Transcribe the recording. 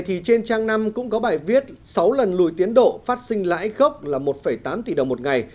trên trang năm cũng có bài viết sáu lần lùi tiến độ phát sinh lãi gốc là một tám tỷ đồng một ngày